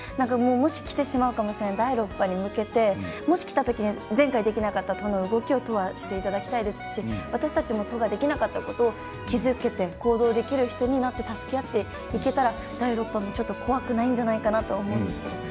きてしまうかもしれない第６波に向けて、もしきたときに前回できなかった動きを都はしていただきたいですし私たちも都ができなかったことを気付けて行動できる人になって助け合っていけたら第６波も怖くないんじゃないかなと思うんですけど。